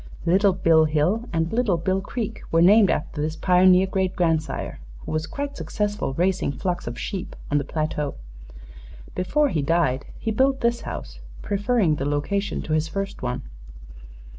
Little Bill Hill and Little Bill Creek were named after this pioneer great grandsire, who was quite successful raising flocks of sheep on the plateau. Before he died he built this house, preferring the location to his first one."